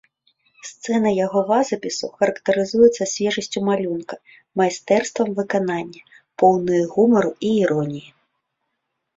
Сцэны яго вазапісу характарызуюцца свежасцю малюнка, майстэрствам выканання, поўныя гумару і іроніі.